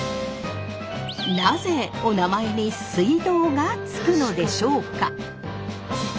なぜおなまえに水道が付くのでしょうか？